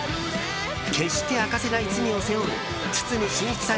決して明かせない罪を背負う堤真一さん